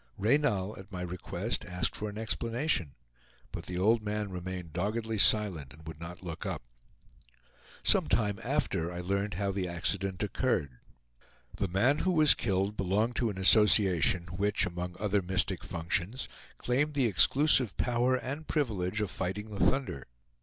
Reynal, at my request, asked for an explanation; but the old man remained doggedly silent, and would not look up. Some time after I learned how the accident occurred. The man who was killed belonged to an association which, among other mystic functions, claimed the exclusive power and privilege of fighting the thunder.